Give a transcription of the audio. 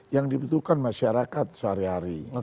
yang dibutuhkan masyarakat sehari hari